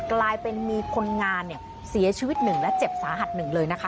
กลายเป็นมีคนงานเนี่ยเสียชีวิตหนึ่งและเจ็บสาหัสหนึ่งเลยนะคะ